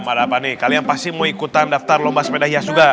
ada apa nih kalian pasti mau ikutan daftar lomba sepeda hias juga